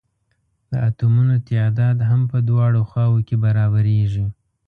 د اتومونو تعداد هم په دواړو خواؤ کې برابریږي.